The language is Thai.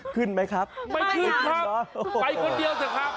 ขึ้นไหมครับไม่ขึ้นครับไปคนเดียวเถอะครับ